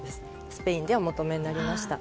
スペインでお求めになりました。